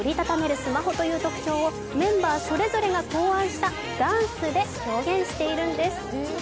スマホという特徴をメンバーそれぞれが考案したダンスで表現しているんです。